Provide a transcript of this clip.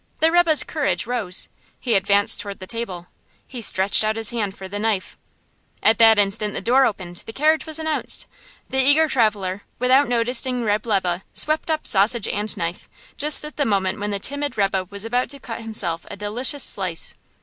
The rebbe's courage rose, he advanced towards the table; he stretched out his hand for the knife. At that instant the door opened, the carriage was announced. The eager traveller, without noticing Reb' Lebe, swept up sausage and knife, just at the moment when the timid rebbe was about to cut himself a delicious slice.